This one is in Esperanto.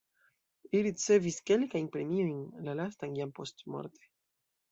Li ricevis kelkajn premiojn, la lastan jam postmorte.